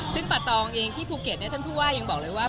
ซึ่งป่าตองเองที่ภูเก็ตท่านผู้ว่ายังบอกเลยว่า